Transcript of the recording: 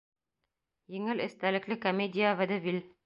Еңел эстәлекле комедия-водевиль.